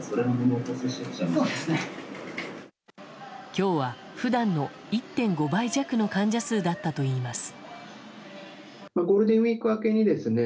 今日は普段の１．５倍弱の患者数だったといいます。